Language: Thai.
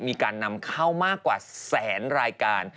มีการนำเข้ามากกว่าแสนรายการ